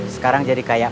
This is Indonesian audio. sekarang jadi kayak ma